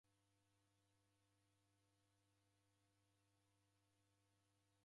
Kwaw'etanya w'anyinyu